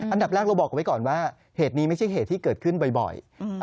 อันดับแรกเราบอกไว้ก่อนว่าเหตุนี้ไม่ใช่เหตุที่เกิดขึ้นบ่อย